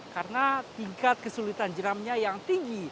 karena tingkat kesulitan jeramnya yang tinggi